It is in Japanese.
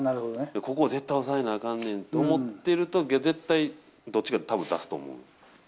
ここ、絶対抑えなあかんねんって思ってると絶対、どっちか、たぶん出すと思う。